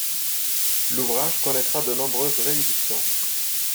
L'ouvrage connaîtra de nombreuses rééditions.